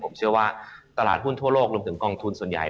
ผมเชื่อว่าตลาดหุ้นทั่วโลกรวมถึงกองทุนส่วนใหญ่